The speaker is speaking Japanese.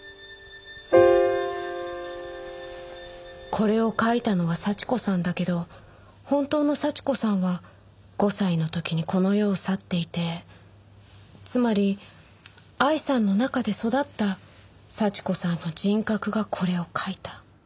これを書いたのは幸子さんだけど本当の幸子さんは５歳の時にこの世を去っていてつまり愛さんの中で育った幸子さんの人格がこれを書いた。